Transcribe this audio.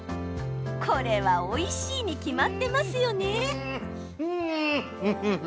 これは、おいしいに決まってますよね。